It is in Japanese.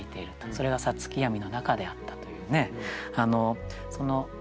それが五月闇の中であったというね。